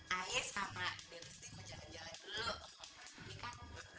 ae sama demi sih mau jalan jalan dulu